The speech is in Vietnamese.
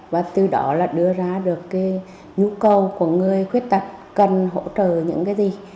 và từ đó là đưa ra được cái nhu cầu của người khuyết tật cần hỗ trợ những cái gì